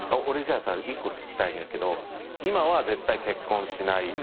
俺じゃあさ１個聞きたいんだけど今は絶対結婚しない。